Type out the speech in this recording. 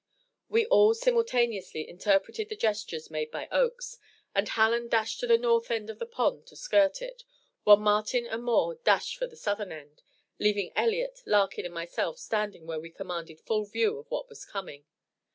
We all simultaneously interpreted the gestures made by Oakes, and Hallen dashed to the north end of the pond to skirt it, while Martin and Moore dashed for the southern end, leaving Elliott, Larkin and myself standing where we commanded full view of what was coming.